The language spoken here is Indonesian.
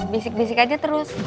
bisik bisik aja terus